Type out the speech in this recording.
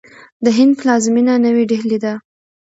د هند پلازمینه نوی ډهلي ده.